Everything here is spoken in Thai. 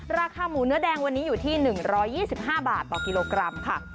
ราคาหมูเนื้อแดงวันนี้อยู่ที่๑๒๕บาทต่อกิโลกรัมค่ะ